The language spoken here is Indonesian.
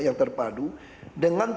yang terpadu dengan